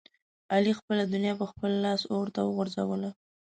علي خپله دنیا په خپل لاس اورته وغورځوله.